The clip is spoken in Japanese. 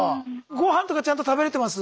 御飯とかちゃんと食べれてます？